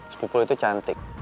sepupul itu cantik